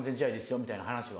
みたいな話は。